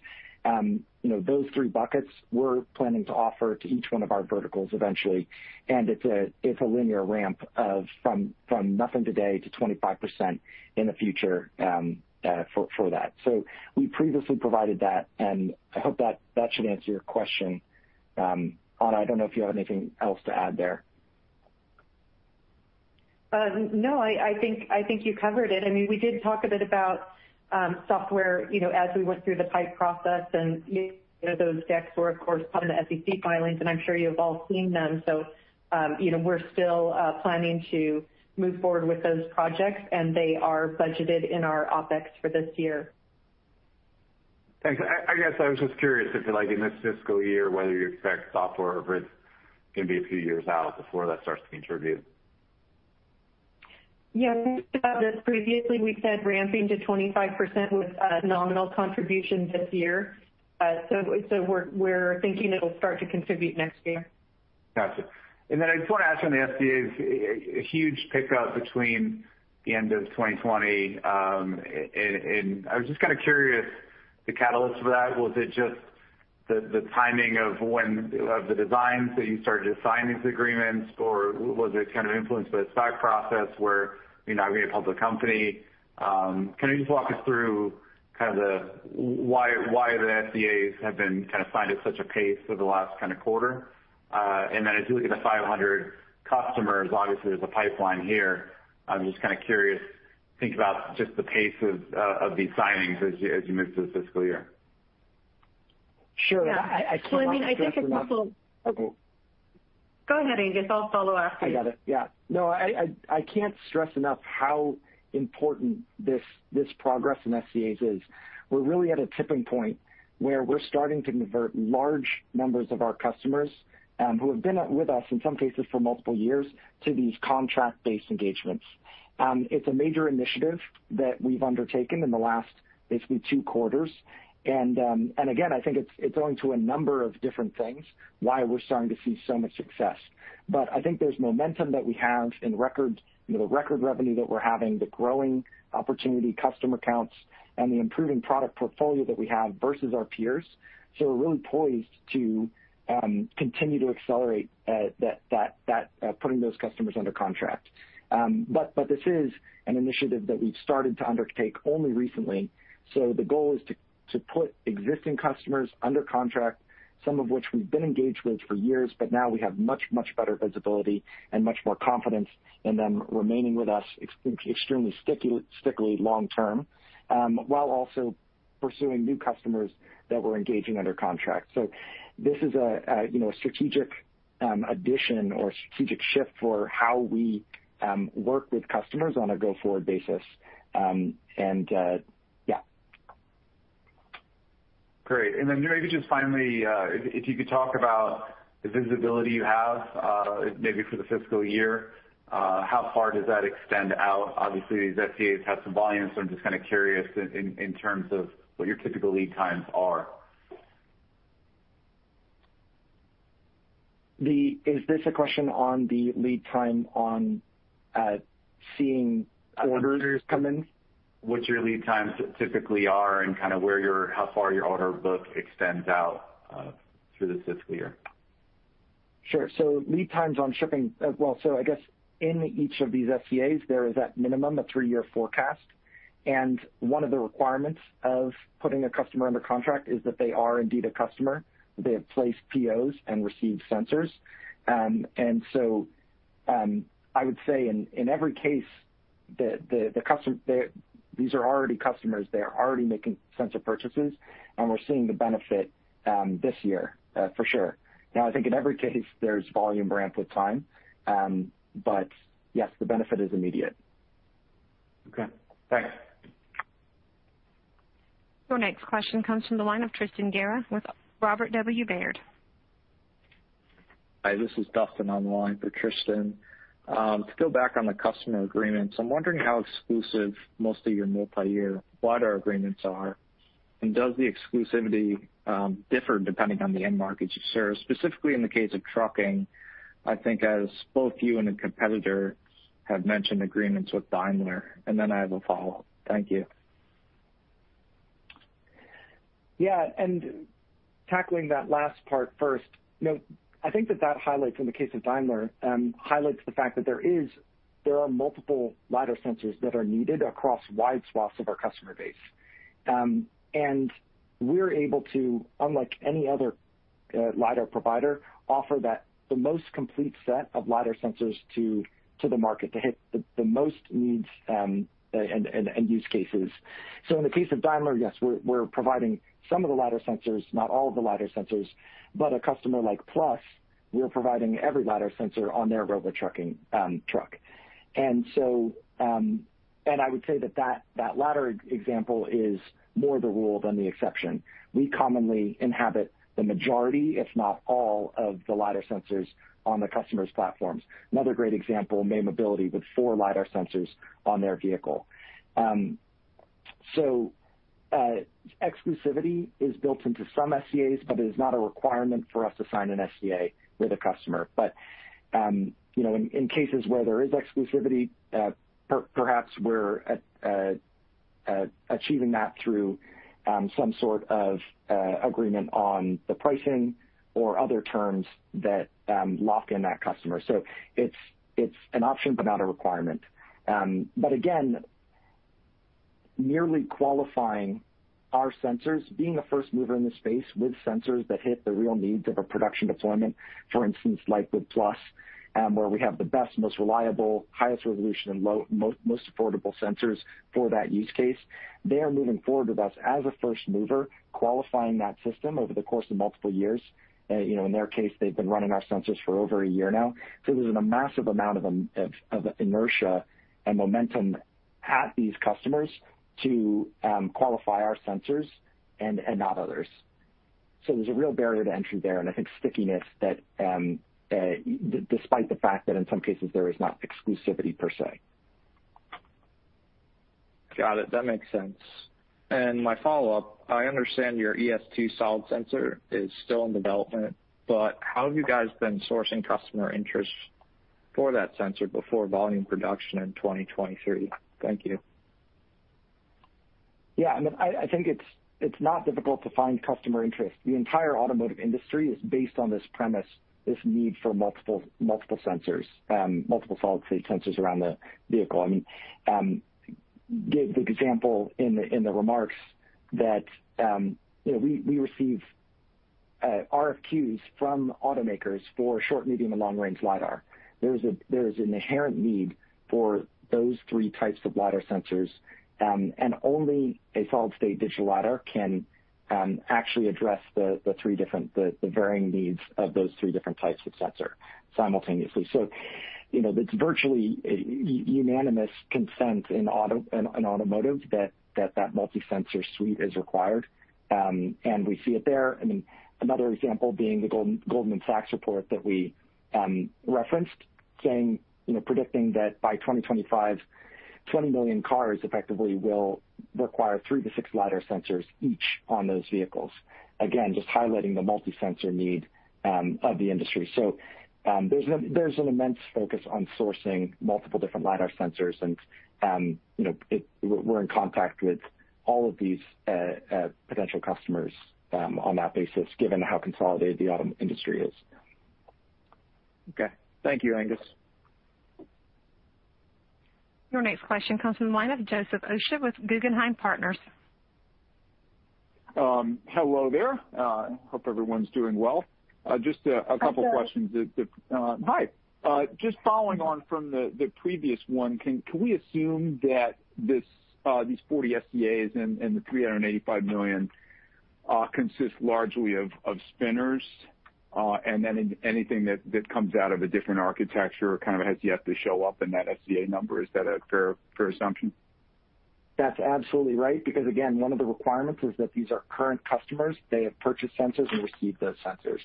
Those three buckets we're planning to offer to each one of our verticals eventually, and it's a linear ramp from nothing today to 25% in the future for that. We previously provided that, and I hope that should answer your question. Anna, I don't know if you have anything else to add there? No, I think you covered it. We did talk a bit about software as we went through the PIPE process, and those decks were, of course, part of the SEC filings, and I'm sure you've all seen them. We're still planning to move forward with those projects, and they are budgeted in our OpEx for this year. Thanks. I guess I was just curious if in this fiscal year, whether you expect software or if it's going to be a few years out before that starts to contribute? Yes, I think we've talked about this previously. We said ramping to 25% with a nominal contribution this year. We're thinking it'll start to contribute next year. Got you. Then I just want to ask on the SCAs, a huge pickup between the end of 2020. I was just kind of curious the catalyst for that. Was it just the timing of the designs that you started to sign these agreements, or was it kind of influenced by the SPAC process where now being a public company? Can you just walk us through why the SCAs have been kind of signed at such a pace for the last quarter? As you look at the 500 customers, obviously there's a pipeline here. I'm just kind of curious, think about just the pace of these signings as you move through the fiscal year? Sure. I came off. Yeah. I mean, I think it's also. Go ahead, Angus. I'll follow after you. I got it. Yeah. No, I can't stress enough how important this progress in SCAs is. We're really at a tipping point where we're starting to convert large numbers of our customers, who have been with us, in some cases, for multiple years, to these contract-based engagements. It's a major initiative that we've undertaken in the last, basically two quarters. Again, I think it's owing to a number of different things why we're starting to see so much success. I think there's momentum that we have in the record revenue that we're having, the growing opportunity customer counts, and the improving product portfolio that we have versus our peers. We're really poised to continue to accelerate putting those customers under contract. This is an initiative that we've started to undertake only recently. The goal is to put existing customers under contract, some of which we've been engaged with for years, but now we have much, much better visibility and much more confidence in them remaining with us extremely stickily long-term, while also pursuing new customers that we're engaging under contract. This is a strategic addition or strategic shift for how we work with customers on a go-forward basis. Great. Maybe just finally, if you could talk about the visibility you have maybe for the fiscal year, how far does that extend out? Obviously, these SCAs have some volume, so I'm just kind of curious in terms of what your typical lead times are. Is this a question on the lead time on seeing orders come in? What your lead times typically are and kind of how far your order book extends out through the fiscal year? Sure. I guess in each of these SCAs, there is at minimum a three-year forecast. One of the requirements of putting a customer under contract is that they are indeed a customer. They have placed POs and received sensors. I would say in every case, these are already customers, they are already making sensor purchases, and we're seeing the benefit this year, for sure. I think in every case there's volume ramp with time. Yes, the benefit is immediate. Okay, thanks. Your next question comes from the line of Tristan Gerra with Robert W. Baird. Hi, this is Dustin on the line for Tristan. To go back on the customer agreements, I'm wondering how exclusive most of your multi-year LiDAR agreements are, and does the exclusivity differ depending on the end markets you serve? Specifically in the case of trucking, I think as both you and a competitor have mentioned agreements with Daimler. I have a follow-up. Thank you. Yeah. Tackling that last part first, I think that that, in the case of Daimler, highlights the fact that there are multiple LiDAR sensors that are needed across wide swaths of our customer base. We're able to, unlike any other LiDAR provider, offer the most complete set of LiDAR sensors to the market to hit the most needs and use cases. In the case of Daimler, yes, we're providing some of the LiDAR sensors, not all of the LiDAR sensors, but a customer like Plus, we are providing every LiDAR sensor on their robotruck. I would say that that latter example is more the rule than the exception. We commonly inhabit the majority, if not all, of the LiDAR sensors on the customer's platforms. Another great example, May Mobility, with four LiDAR sensors on their vehicle. Exclusivity is built into some SCAs, but is not a requirement for us to sign an SCA with a customer. In cases where there is exclusivity, perhaps we're achieving that through some sort of agreement on the pricing or other terms that lock in that customer. It's an option, but not a requirement. Again, merely qualifying our sensors, being a first mover in the space with sensors that hit the real needs of a production deployment, for instance, like with Plus where we have the best, most reliable, highest resolution, and most affordable sensors for that use case. They are moving forward with us as a first mover, qualifying that system over the course of multiple years. In their case, they've been running our sensors for over a year now. There's a massive amount of inertia and momentum at these customers to qualify our sensors and not others. There's a real barrier to entry there, and I think stickiness despite the fact that in some cases, there is not exclusivity per se. Got it, that makes sense. My follow-up, I understand your ES2 solid sensor is still in development, but how have you guys been sourcing customer interest for that sensor before volume production in 2023? Thank you. Yeah, I think it's not difficult to find customer interest. The entire automotive industry is based on this premise, this need for multiple sensors, multiple solid-state sensors around the vehicle. I gave the example in the remarks that we receive RFQs from automakers for short, medium, and long-range LiDAR. There is an inherent need for those three types of LiDAR sensors, and only a solid-state digital LiDAR can actually address the varying needs of those three different types of sensor simultaneously. It's virtually unanimous consent in automotive that that multi-sensor suite is required, and we see it there. Another example being the Goldman Sachs report that we referenced predicting that by 2025, 20 million cars effectively will require three to six LiDAR sensors each on those vehicles. Again, just highlighting the multi-sensor need of the industry. There's an immense focus on sourcing multiple different LiDAR sensors, and we're in contact with all of these potential customers on that basis, given how consolidated the auto industry is. Okay. Thank you, Angus. Your next question comes from the line of Joseph Osha with Guggenheim Partners. Hello there. Hope everyone's doing well. Just a couple questions. Hi, Joe. Hi. Just following on from the previous one, can we assume that these 40 SCAs and the $385 million consist largely of spinners, and then anything that comes out of a different architecture kind of has yet to show up in that SCA number. Is that a fair assumption? That's absolutely right, because again, one of the requirements is that these are current customers. They have purchased sensors and received those sensors.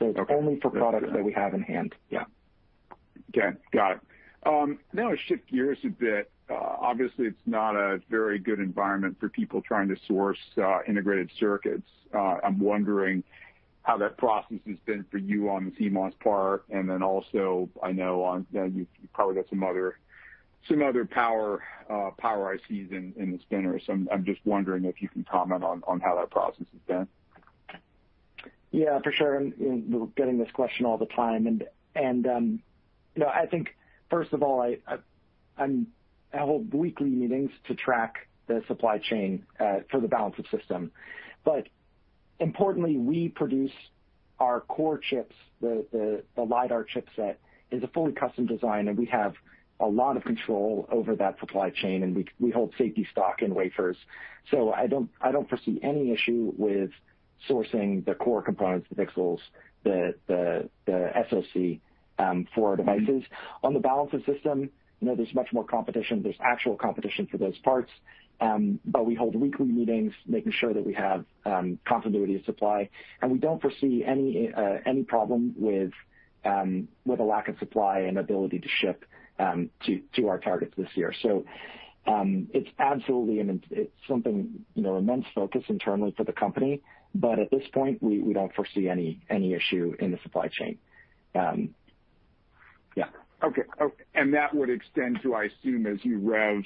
Okay. It's only for products that we have in hand. Okay. Got it. Now to shift gears a bit. Obviously, it's not a very good environment for people trying to source integrated circuits. I'm wondering how that process has been for you on the CMOS part, and then also, I know you've probably got some other power ICs in the spinners. I'm just wondering if you can comment on how that process has been. Yeah, for sure. We're getting this question all the time. I think first of all, I hold weekly meetings to track the supply chain for the balance of system. Importantly, we produce our core chips. The LiDAR chipset is a fully custom design. We have a lot of control over that supply chain. We hold safety stock in wafers. I don't foresee any issue with sourcing the core components, the pixels, the SoC for our devices. On the balance of system, there's much more competition. There's actual competition for those parts. We hold weekly meetings, making sure that we have continuity of supply. We don't foresee any problem with a lack of supply and ability to ship to our targets this year. It's absolutely an immense focus internally for the company. At this point, we don't foresee any issue in the supply chain. Yeah. Okay. That would extend to, I assume, as you rev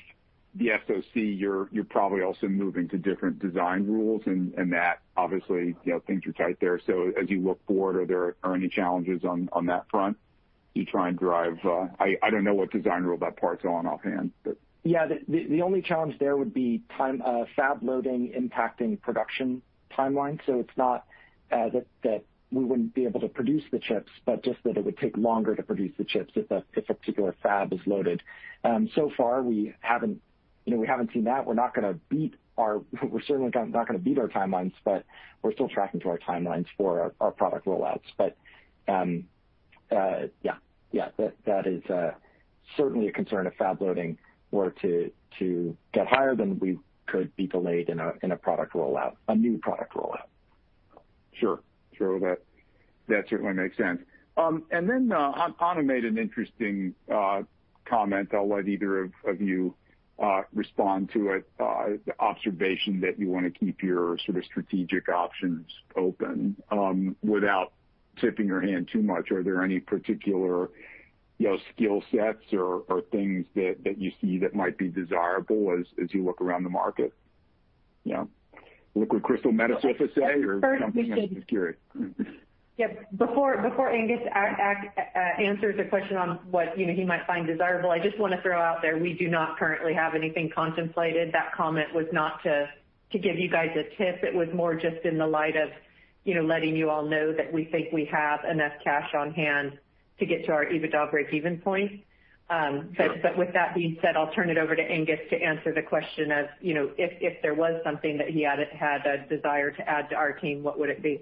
the SoC, you're probably also moving to different design rules, and that obviously, things are tight there. As you look forward, are there any challenges on that front as you try and drive? I don't know what design rule that part's on offhand, but. Yeah, the only challenge there would be fab loading impacting production timelines. It's not that we wouldn't be able to produce the chips, but just that it would take longer to produce the chips if a particular fab is loaded. So far we haven't seen that. We're certainly not going to beat our timelines, but we're still tracking to our timelines for our product rollouts. Yeah, that is certainly a concern if fab loading were to get higher, then we could be delayed in a product rollout, a new product rollout. Sure, that certainly makes sense. Then Anna made an interesting comment, I'll let either of you respond to it. The observation that you want to keep your sort of strategic options open. Without tipping your hand too much, are there any particular skill sets or things that you see that might be desirable as you look around the market? Liquid Crystal Metasurface, say, or something? I'm just curious. Yeah, before Angus answers a question on what he might find desirable, I just want to throw out there, we do not currently have anything contemplated. That comment was not to give you guys a tip. It was more just in the light of letting you all know that we think we have enough cash on hand to get to our EBITDA breakeven point. Sure. With that being said, I'll turn it over to Angus to answer the question of, if there was something that he had a desire to add to our team, what would it be?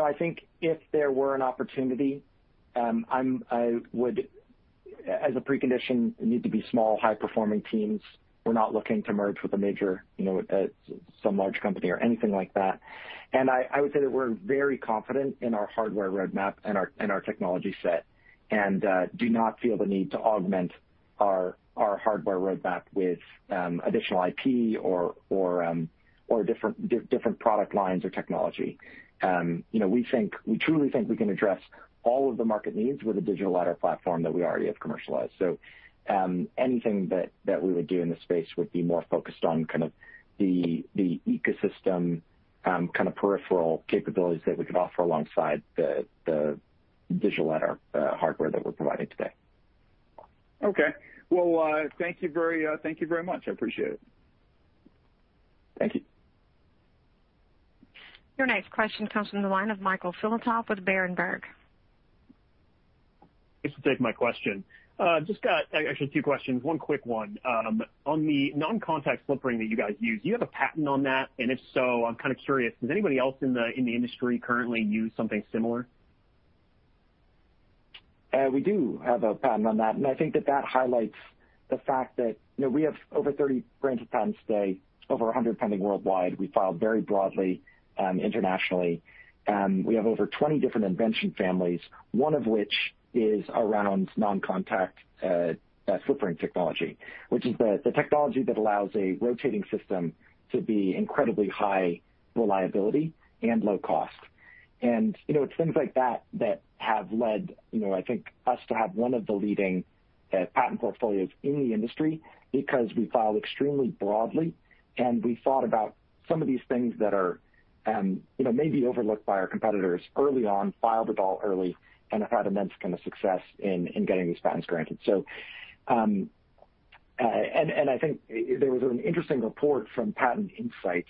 I think if there were an opportunity, I would, as a precondition, it'd need to be small, high-performing teams. We're not looking to merge with a major, some large company or anything like that. I would say that we're very confident in our hardware roadmap and our technology set, and do not feel the need to augment our hardware roadmap with additional IP or different product lines or technology. We truly think we can address all of the market needs with the digital LiDAR platform that we already have commercialized. Anything that we would do in the space would be more focused on kind of the ecosystem kind of peripheral capabilities that we could offer alongside the digital LiDAR hardware that we're providing today. Okay. Well, thank you very much. I appreciate it. Thank you. Your next question comes from the line of Michael Filatov with Berenberg. Thanks for taking my question. I actually have two questions, one quick one. On the non-contact slip ring that you guys use, do you have a patent on that? If so, I'm kind of curious, does anybody else in the industry currently use something similar? We do have a patent on that, and I think that that highlights the fact that we have over 30 granted patents today, over 100 pending worldwide. We filed very broadly internationally. We have over 20 different invention families, one of which is around non-contact slip ring technology. Which is the technology that allows a rotating system to be incredibly high reliability and low cost. It's things like that that have led, I think, us to have one of the leading patent portfolios in the industry because we filed extremely broadly and we thought about some of these things that are maybe overlooked by our competitors early on, filed it all early, and have had immense success in getting these patents granted. I think there was an interesting report from Patent Insights,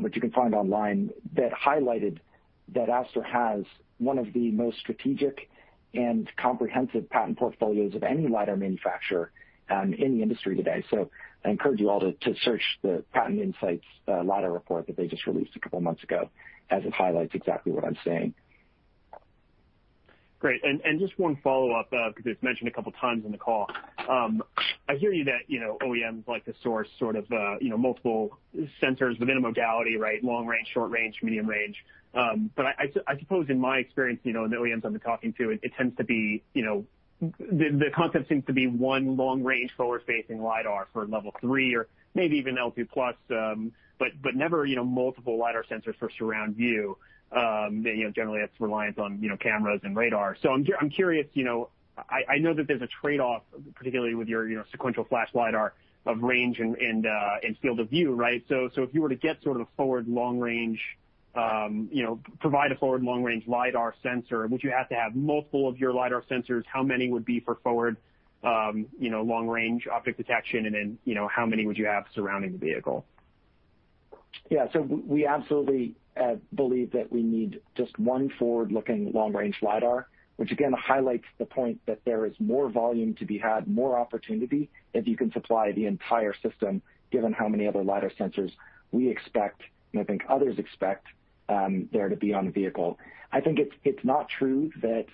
which you can find online, that highlighted that Ouster has one of the most strategic and comprehensive patent portfolios of any LiDAR manufacturer in the industry today. I encourage you all to search the Patent Insights LiDAR report that they just released a couple of months ago, as it highlights exactly what I'm saying. Great. Just one follow-up, because it's mentioned a couple of times in the call. I hear you that OEMs like to source sort of multiple sensors, within a modality, right? Long range, short range, medium range. I suppose in my experience, in the OEMs I've been talking to, the concept seems to be one long range forward-facing LiDAR for Level 3 or maybe even L2+ but never multiple LiDAR sensors for surround view. Generally, that's reliant on cameras and radar. I'm curious, I know that there's a trade-off, particularly with your sequential flash LiDAR of range and field of view, right? If you were to provide a forward long range LiDAR sensor, would you have to have multiple of your LiDAR sensors? How many would be for forward long range object detection, and then, how many would you have surrounding the vehicle? We absolutely believe that we need just one forward-looking long range LiDAR. Which again, highlights the point that there is more volume to be had, more opportunity if you can supply the entire system given how many other LiDAR sensors we expect, and I think others expect, there to be on the vehicle. I think it's not true that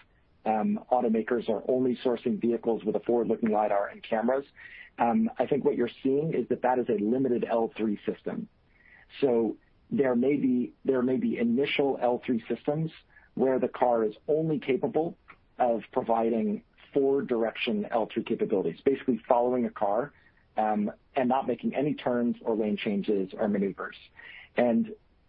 automakers are only sourcing vehicles with a forward-looking LiDAR and cameras. I think what you're seeing is that that is a limited L3 system. There may be initial L3 systems where the car is only capable of providing four-direction L2 capabilities, basically following a car and not making any turns or lane changes or maneuvers.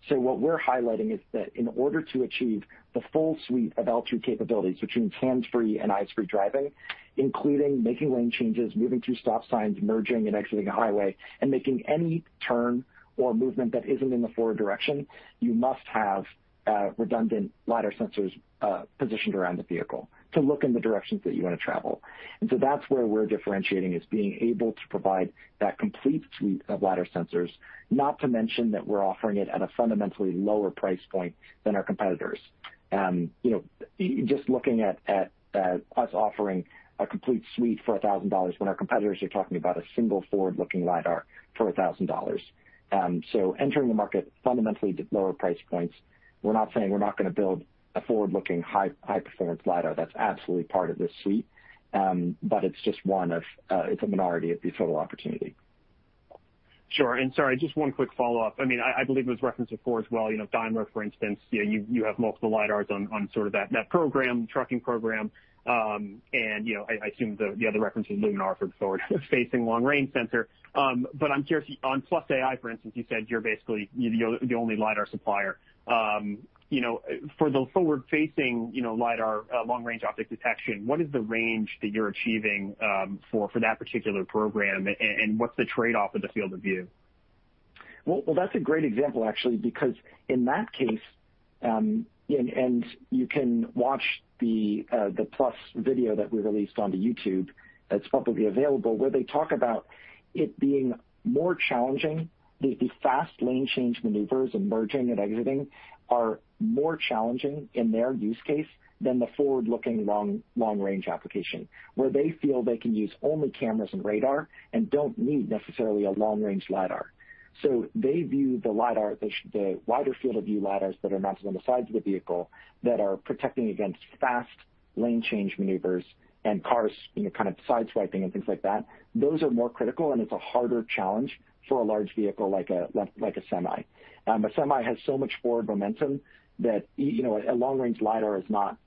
What we're highlighting is that in order to achieve the full suite of L2 capabilities between hands-free and eyes-free driving, including making lane changes, moving through stop signs, merging and exiting a highway, and making any turn or movement that isn't in the forward direction, you must have redundant LiDAR sensors positioned around the vehicle to look in the directions that you want to travel. That's where we're differentiating, is being able to provide that complete suite of LiDAR sensors, not to mention that we're offering it at a fundamentally lower price point than our competitors. Just looking at us offering a complete suite for $1,000 when our competitors are talking about a single forward-looking LiDAR for $1,000. Entering the market fundamentally at lower price points. We're not saying we're not going to build a forward-looking high performance LiDAR. That's absolutely part of this suite. It's a minority of the total opportunity. Sure, sorry, just one quick follow-up. I believe it was referenced before as well, Daimler, for instance, you have multiple LiDARs on sort of that program, trucking program. I assume the other reference was Luminar for the forward-facing long range sensor. I'm curious, on Plus, for instance, you said you're basically the only LiDAR supplier. For the forward-facing LiDAR long range object detection, what is the range that you're achieving for that particular program, and what's the trade-off of the field of view? Well, that's a great example, actually, because in that case, and you can watch the Plus video that we released on the YouTube that's publicly available, where they talk about it being more challenging. The fast lane change maneuvers and merging and exiting are more challenging in their use case than the forward-looking long range application. Where they feel they can use only cameras and radar and don't need necessarily a long range LiDAR. They view the wider field of view LiDARs that are mounted on the sides of the vehicle that are protecting against fast lane change maneuvers and cars kind of sideswiping and things like that, those are more critical, and it's a harder challenge for a large vehicle like a semi. A semi has so much forward momentum that a long range LiDAR is not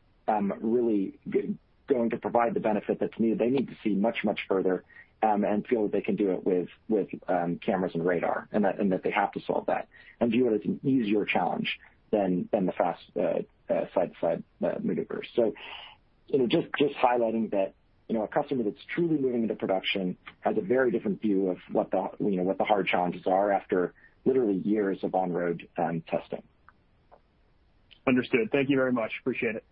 really going to provide the benefit that's needed. They need to see much, much further and feel that they can do it with cameras and radar, and that they have to solve that and view it as an easier challenge than the fast side to side maneuvers. Just highlighting that a customer that's truly moving into production has a very different view of what the hard challenges are after literally years of on-road testing. Understood. Thank you very much, appreciate it.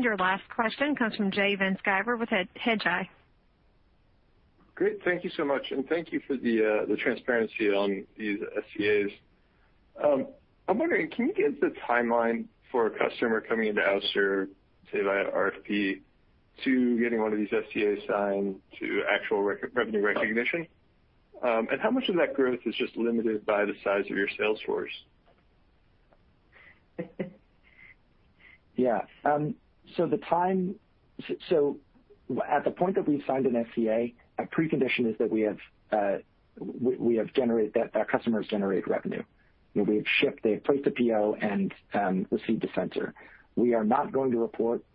Your last question comes from Jay Van Sciver with Hedgeye. Great. Thank you so much, and thank you for the transparency on these SCAs. I'm wondering, can you give the timeline for a customer coming into Ouster, say, via RFP, to getting one of these SCAs signed to actual revenue recognition? How much of that growth is just limited by the size of your sales force? At the point that we've signed an SCA, a precondition is that our customers generate revenue. We have shipped, they've placed a PO, and received a sensor. We are not going to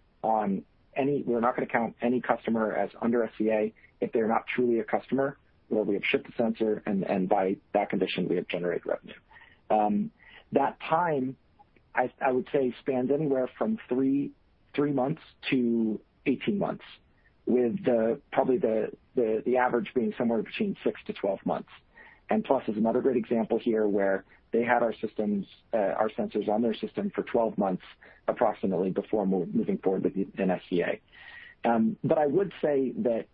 count any customer as under SCA if they're not truly a customer, where we have shipped the sensor and by that condition, we have generated revenue. That time, I would say, spans anywhere from 3-18 months, with probably the average being somewhere between 6-12 months. Plus is another great example here, where they had our sensors on their system for 12 months approximately before moving forward with an SCA. I would say that,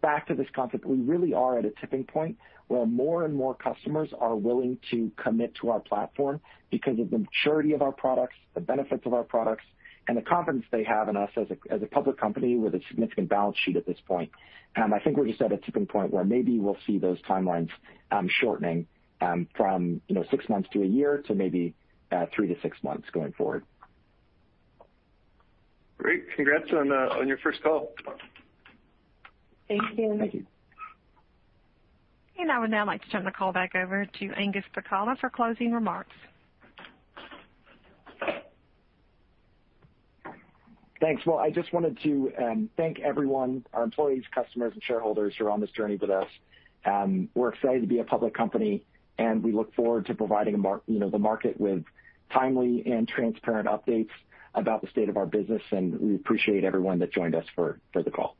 back to this concept, we really are at a tipping point where more and more customers are willing to commit to our platform because of the maturity of our products, the benefits of our products, and the confidence they have in us as a public company with a significant balance sheet at this point. I think we're just at a tipping point where maybe we'll see those timelines shortening from six months to a year to maybe three to six months going forward. Great. Congrats on your first call. Thank you. Thank you. I would now like to turn the call back over to Angus Pacala for closing remarks. Thanks. Well, I just wanted to thank everyone, our employees, customers, and shareholders who are on this journey with us. We're excited to be a public company, and we look forward to providing the market with timely and transparent updates about the state of our business, and we appreciate everyone that joined us for the call.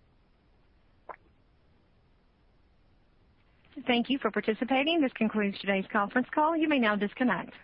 Thank you for participating. This concludes today's conference call. You may now disconnect.